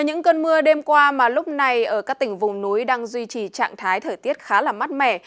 những cơn mưa đêm qua mà lúc này ở các tỉnh vùng núi đang duy trì trạng thái thời tiết khá là mát mẻ